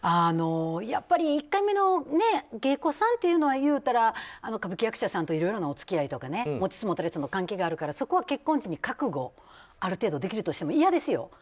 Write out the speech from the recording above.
やっぱり１回目の芸妓さんというのはいうたら歌舞伎役者さんといろんなお付き合いとか持ちつ持たれつの関係があるからそれは結婚時に覚悟、ある程度できるとしても嫌ですよ。